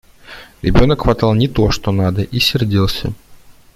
Ребенок хватал не то, что надо, и сердился.